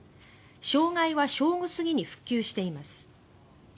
障害は正午過ぎに復旧しています。